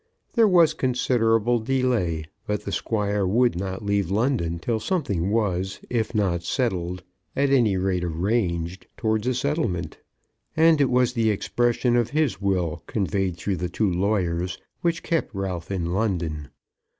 There was considerable delay, but the Squire would not leave London till something was, if not settled, at any rate arranged, towards a settlement. And it was the expression of his will conveyed through the two lawyers which kept Ralph in London.